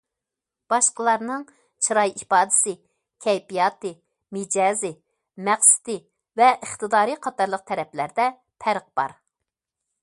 باشقىلارنىڭ چىراي ئىپادىسى، كەيپىياتى، مىجەزى، مەقسىتى ۋە ئىقتىدارى قاتارلىق تەرەپلەردە پەرق بار.